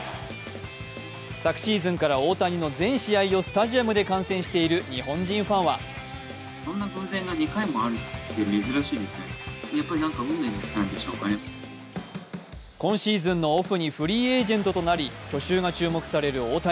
昨シーズンから大谷の全試合をスタジアムで観戦している日本人ファンは今シーズンのオフにフリーエージェントとなり去就が注目される大谷。